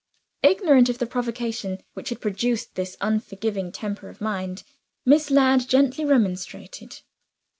Ignorant of the provocation which had produced this unforgiving temper of mind, Miss Ladd gently remonstrated.